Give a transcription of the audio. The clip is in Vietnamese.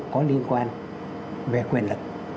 có liên quan về quyền lực